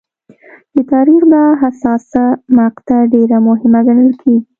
د تاریخ دا حساسه مقطعه ډېره مهمه ګڼل کېږي.